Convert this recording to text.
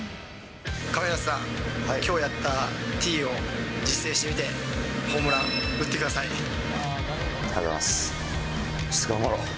亀梨さん、きょうやったティーを実践してみて、ホームラン、ありがとうございます。